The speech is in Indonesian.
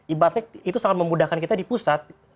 ibaratnya itu sangat memudahkan kita di pusat